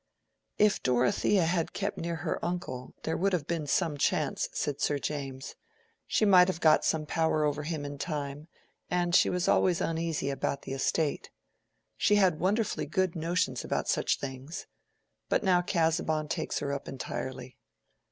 "If Dorothea had kept near her uncle, there would have been some chance," said Sir James. "She might have got some power over him in time, and she was always uneasy about the estate. She had wonderfully good notions about such things. But now Casaubon takes her up entirely.